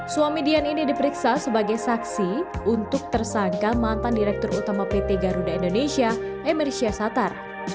suami dian ini diperiksa sebagai saksi untuk tersangka mantan direktur utama pt garuda indonesia emir syasatar